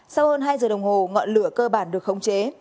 sau hơn hai giờ đồng hồ ngọn lửa cơ bản được khống chế